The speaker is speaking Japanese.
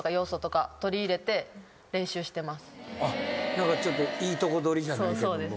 何かちょっといいとこ取りじゃないけども。